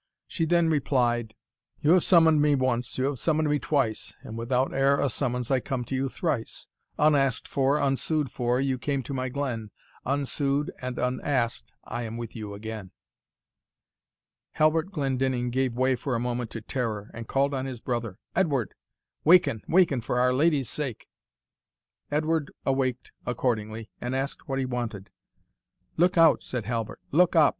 She then replied, "You have summon'd me once you have summoned me twice, And without e'er a summons I come to you thrice; Unask'd for, unsued for, you came to my glen; Unsued and unask'd I am with you again." Halbert Glendinning gave way for a moment to terror, and called on his brother, "Edward! waken, waken, for Our Lady's sake!" Edward awaked accordingly, and asked what he wanted. "Look out," said Halbert, "look up!